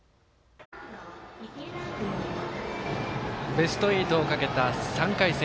ベスト８をかけた３回戦